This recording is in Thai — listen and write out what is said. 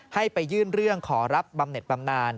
ให้ไปยื่นเรื่องขอรับบำเน็ตบำนาน